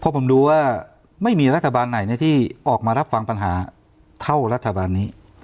ผมดูว่าไม่มีรัฐบาลไหนที่ออกมารับฟังปัญหาเท่ารัฐบาลนี้